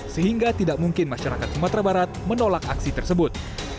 sehingga tidak mungkin masyarakat sumatera barat menolak aksi tersebut